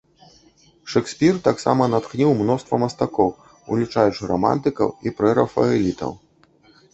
Шэкспір таксама натхніў мноства мастакоў, улучаючы рамантыкаў і прэрафаэлітаў.